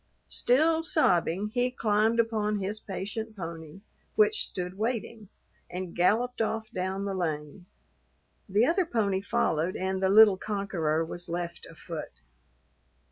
Still sobbing, he climbed upon his patient pony, which stood waiting, and galloped off down the lane. The other pony followed and the little conqueror was left afoot.